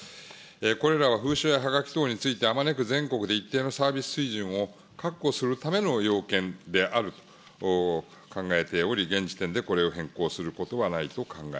これらは封書やはがき等についてあまねく全国で一定のサービス水準を確保するための要件であると考えており、現時点でこれを変更